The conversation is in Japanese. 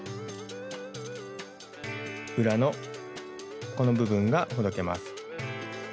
裏のこの部分がほどけます。